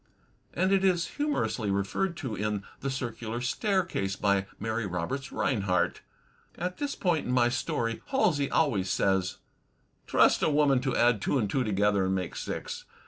And it is humorously referred to in "The Circular Stair case," by Mary Roberts Rineheart: At this point in my story, Halsey always says: "Trust a woman to add two and two together, and make six."